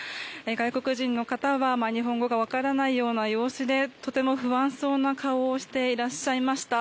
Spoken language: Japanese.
外国人の方は日本語が分からないような様子でとても不安そうな顔をしていらっしゃいました。